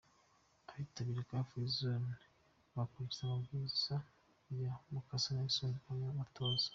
Abitabira Car Free bakurikiza amabwiriza ya Mukasa Nelson uba abatoza.